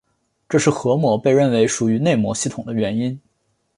这是核膜被认为属于内膜系统的原因。